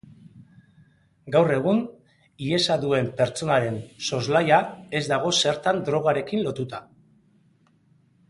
Gaur egun, hiesa duen pertsonaren soslaia ez dago zertan drogarekin lotuta.